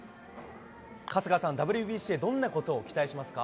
春日さん、ＷＢＣへ、どんなことを期待しますか？